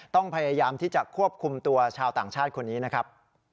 พยายามที่จะควบคุมตัวชาวต่างชาติคนนี้นะครับ